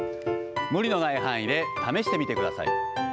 無理のない範囲で試してみてください。